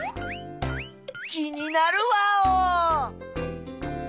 気になるワオ。